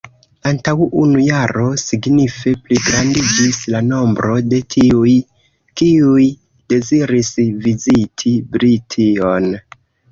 Antaŭ unu jaro signife pligrandiĝis la nombro de tiuj, kiuj deziris viziti Brition.